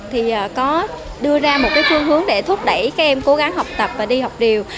thì có đưa ra một cái phương hướng để thúc đẩy các em cố gắng học tập và đi học điều